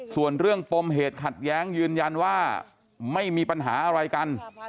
ส่วนเรื่องปมเหตุขัดแย้งยืนยันว่าไม่มีปัญหาอะไรกัน